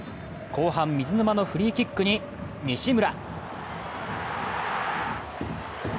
後半、水沼のフリーキックに西村！